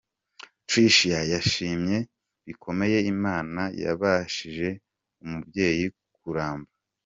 Tricia yashimye bikomeye Imana yabashishije umubyeyi kuramba.